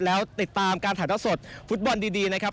แล้วติดตามการถ่ายเท่าสดฟุตบอลดีนะครับ